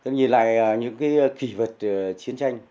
nhìn lại những cái kỷ vật chiến tranh